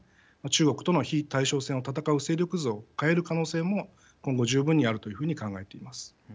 中国との非対称戦を戦う勢力図を変える可能性も今後、十分にあるというふうに考えています。